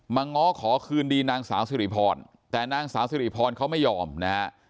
ง้อขอคืนดีนางสาวสิริพรแต่นางสาวสิริพรเขาไม่ยอมนะฮะ